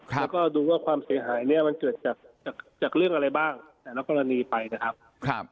แล้วก็ดูว่าความเสียหายเนี่ยมันเกิดจากเรื่องอะไรบ้างแต่ละกรณีไปนะครับ